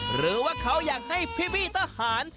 หรือว่าเขาอยากให้พี่ทหาร